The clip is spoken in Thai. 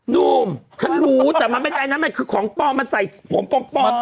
หนุ่มฉันรู้แต่มันไม่ได้นะมันคือของปลอมมันใส่ผมปลอม